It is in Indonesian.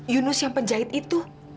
yunus yang penjahit itu